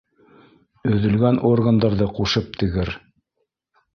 — Өҙөлгән органдарҙы ҡушып тегер